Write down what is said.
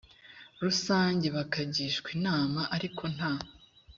rusange bakagishwa inama ariko nta